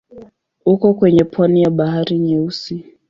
Upo kwenye pwani ya Bahari Nyeusi.